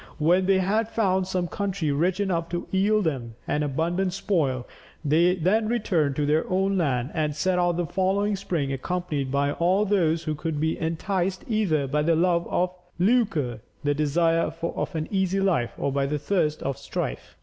When they had found some country rich enough to yield them an abundant spoil, they then returned to their own land, and set out the following spring accompanied by all those who could be enticed either by the love of lucre, the desire for an easy life, or by the thirst for strife.